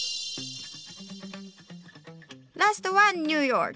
ラストはニューヨーク。